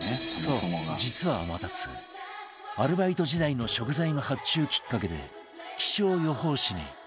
そう実は天達アルバイト時代の食材の発注きっかけで気象予報士に